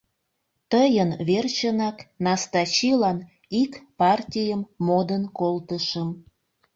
Тыйын верчынак Настачилан ик партийым модын колтышым.